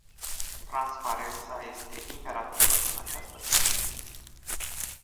Transparența este imperativă în această privință.